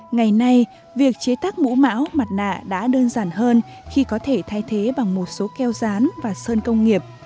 ngày nay việc chế tác mũ mão mặt nạ đã đơn giản hơn khi có thể thay thế bằng một số keo rán và sơn công nghiệp